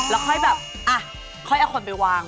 แล้วค่อยแบบอ่ะค่อยเอาคนไปวาง